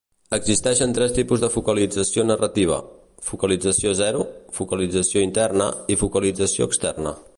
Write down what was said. Existeixen tres tipus de focalització narrativa: focalització zero, focalització interna i focalització externa.